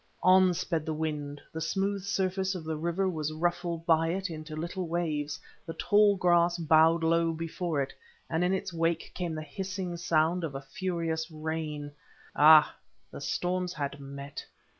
On sped the wind; the smooth surface of the river was ruffled by it into little waves, the tall grass bowed low before it, and in its wake came the hissing sound of furious rain. Ah! the storms had met.